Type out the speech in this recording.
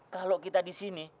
kalau kita disini